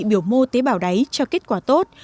biểu mô tế bào đáy cho kết quả tốt